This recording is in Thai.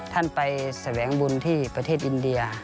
ท่านไปแสวงบุญที่ประเทศอินเดีย